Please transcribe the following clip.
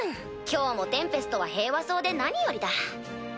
今日もテンペストは平和そうで何よりだ。